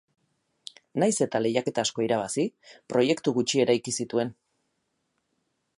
Nahiz eta lehiaketa asko irabazi, proiektu gutxi eraiki zituen.